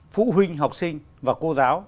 phụ huynh học sinh và cô giáo